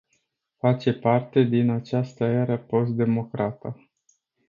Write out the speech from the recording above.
Face parte din această eră post-democrată.